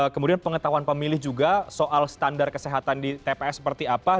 kemudian pengetahuan pemilih juga soal standar kesehatan di tps seperti apa